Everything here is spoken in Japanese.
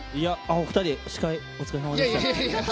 お二人司会おつかれさまでした。